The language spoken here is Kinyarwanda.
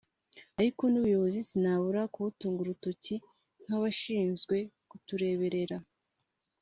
Ariko n’ubuyobozi sinabura kubutunga urutoki nk’abashinzwe kutureberera